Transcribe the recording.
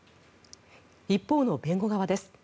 一方の弁護側です。